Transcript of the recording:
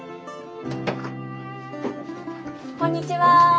こんにちは。